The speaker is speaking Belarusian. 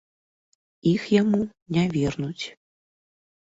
Іх яму не вернуць.